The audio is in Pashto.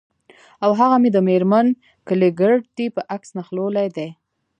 او هغه مې د میرمن کلیګرتي په عکس نښلولي دي